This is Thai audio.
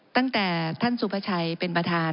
ตั้งแต่ท่านสุภาชัยเป็นประธาน